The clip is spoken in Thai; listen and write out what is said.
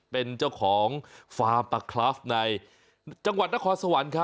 เป็นเจ้าของฟาร์มปลาคลาฟในจังหวัดนครสวรรค์ครับ